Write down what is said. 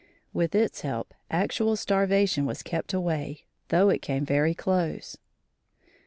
With its help actual starvation was kept away, though it came very close.